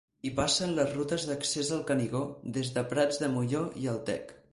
Hi passen les rutes d'accés al Canigó des de Prats de Molló i el Tec.